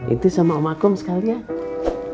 itu sama om akum sekalian